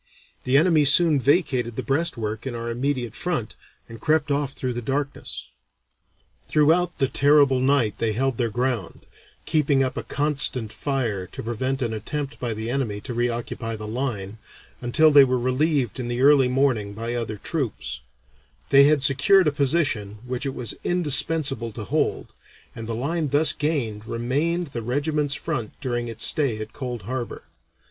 The enemy soon vacated the breastwork in our immediate front, and crept off through the darkness." Throughout the terrible night they held their ground, keeping up a constant fire to prevent an attempt by the enemy to reoccupy the line, until they were relieved in the early morning by other troops; they had secured a position which it was indispensable to hold, and the line thus gained remained the regiment's front during its stay at Cold Harbor.